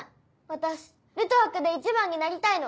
私ルトワックで１番になりたいの。